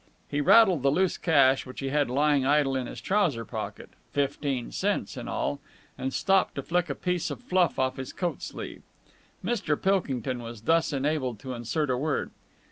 He rattled the loose cash which he had lying idle in his trouser pocket fifteen cents in all and stopped to flick a piece of fluff off his coat sleeve. Mr. Pilkington was thus enabled to insert a word.